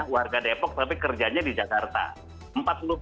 warga depok tapi kerjanya di jakarta